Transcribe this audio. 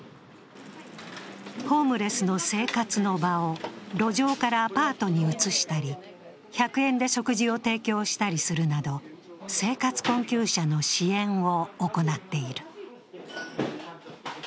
ホームレスの生活の場を路上からアパートに移したり１００円で食事を提供したりするなど、生活困窮者の支援を行っている。